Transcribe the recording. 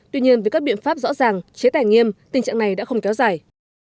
tuy nhiên với các biện pháp rõ ràng chế tài nghiêm tình trạng này đã không kéo dài